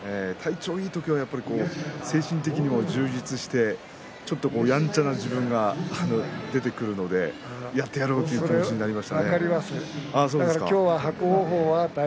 体調がいい時は精神的にも充実していてちょっとやんちゃな自分が出てくるのでやってやろうとなります。